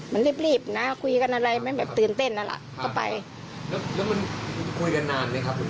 มันรีบรีบนะคุยกันอะไรไม่แบบตื่นเต้นนั่นแหละก็ไปแล้วมันคุยกันนานไหมครับ